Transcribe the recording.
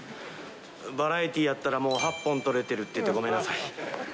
バラエティーやったら、もう８本撮れてるって、ごめんなさい。